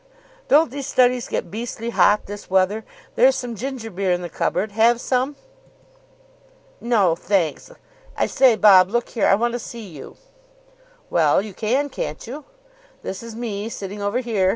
Don't these studies get beastly hot this weather. There's some ginger beer in the cupboard. Have some?" "No, thanks. I say, Bob, look here, I want to see you." "Well, you can, can't you? This is me, sitting over here.